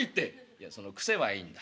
「いやその癖はいいんだ。